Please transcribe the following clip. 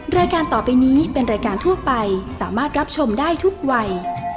รายการต่อไปนี้เป็นรายการทั่วไปสามารถรับชมได้ทุกวัย